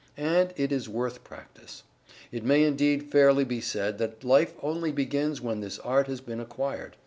And it is worth practice. It may indeed fairly be said that life only begins when this art has been acquired.